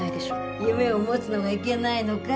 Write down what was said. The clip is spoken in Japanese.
夢を持つのがいけないのかい？